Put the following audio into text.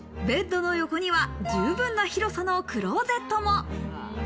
ベッドの横には十分な広さのクローゼットも。